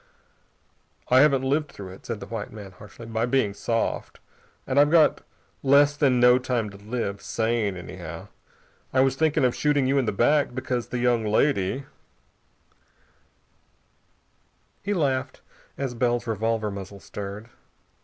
"I haven't lived through it," said the white man harshly, "by being soft. And I've got less than no time to live sane, anyhow. I was thinking of shooting you in the back, because the young lady " He laughed as Bell's revolver muzzle stirred.